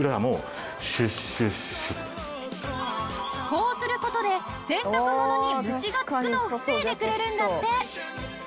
こうする事で洗濯物に虫が付くのを防いでくれるんだって。